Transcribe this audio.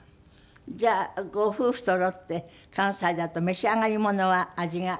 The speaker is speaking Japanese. じゃあご夫婦そろって関西だと召し上がりものは味が。